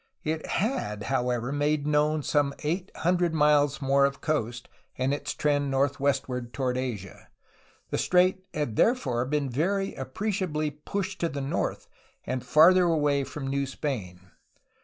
It had, however, made known some eight hundred miles more of coast and its trend north westward toward Asia; the strait had therefore been very appreciably pushed to the north and farther away from New Spain.